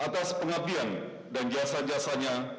atas pengabdian dan jasa jasanya